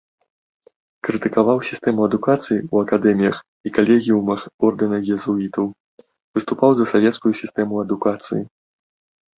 Крытыкаваў сістэму адукацыі ў акадэміях і калегіумах ордэна езуітаў, выступаў за свецкую сістэму адукацыі.